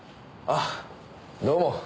あっどうも。